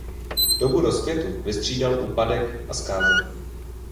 Dobu rozkvětu vystřídal úpadek a zkáza.